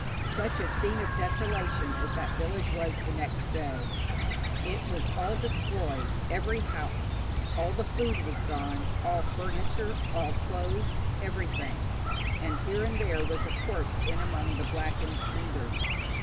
Such a scene of desolation as that village was next day! It was all destroyed every house. All the food was gone, all furniture, all clothes, everything, and here and there was a corpse in among the blackened cinders.